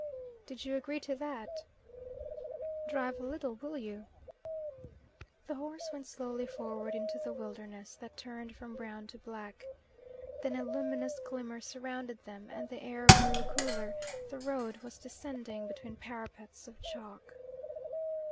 "Did you agree to that?" "Drive a little, will you?" The horse went slowly forward into the wilderness, that turned from brown to black. Then a luminous glimmer surrounded them, and the air grew cooler: the road was descending between parapets of chalk.